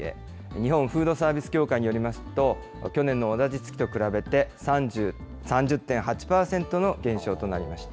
日本フードサービス協会によりますと、去年の同じ月と比べて、３０．８％の減少となりました。